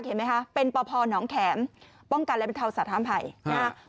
คือเอาอย่างนี้คุณผู้ชมในคลิปเนี่ยบางคนไม่ได้ดูตั้งแต่ต้นเนี่ยอาจจะงงนะฮะ